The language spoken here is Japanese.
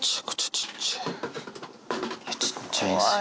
ちっちゃいっすね。